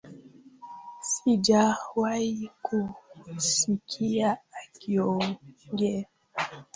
Sijawahi kumsikia akiongea